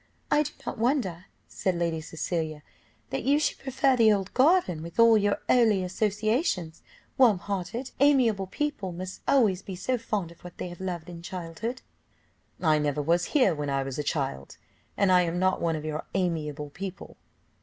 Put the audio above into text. "I do not wonder," said Cecilia, "that you should prefer the old garden, with all your early associations; warm hearted, amiable people must always be so fond of what they have loved in childhood." "I never was here when I was a child, and I am not one of your amiable people."